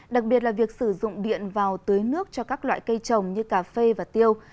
đặc biệt là việc sử dụng điện vào tưới nước cho các loại cây trồng như cà phê và tiêu